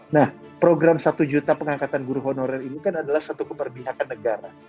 nah program satu juta pengangkatan guru honorer ini kan adalah satu keperbihakan negara